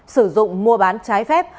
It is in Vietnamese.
sử dụng mua bán trái phép